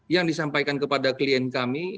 yang disampaikan kepada klien kami